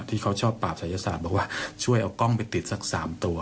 ที่เขาชอบปราบศัยศาสตร์บอกว่าช่วยเอากล้องไปติดสัก๓ตัว